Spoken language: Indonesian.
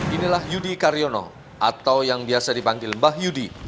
inilah yudi karyono atau yang biasa dipanggil mbah yudi